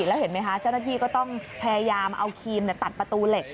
แล้วเห็นไหมคะเจ้าหน้าที่ก็ต้องพยายามเอาครีมตัดประตูเหล็ก